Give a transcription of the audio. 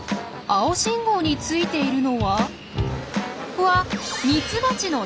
青信号についているのはうわ！